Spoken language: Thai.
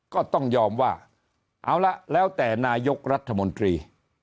ก็ต้องยอมว่าเอาละแล้วแต่นายกรัฐมนตรี